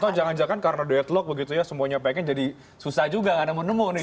atau jangan jangan karena deadlock begitu ya semuanya pengen jadi susah juga gak nemu nemu nih